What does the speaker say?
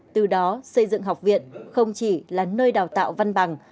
từ đó xây dựng học viện không chỉ là nơi đào tạo văn bằng